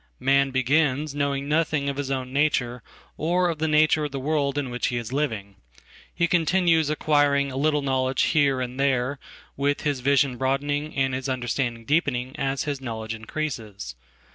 Man begins knowingnothing of his own nature or of the nature of the world in which heis living. He continues acquiring a little knowledge here andthere, with his vision broadening and his understanding deepeningas his knowledge increases.